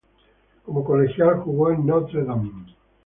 Como colegial jugo en Notre Dame.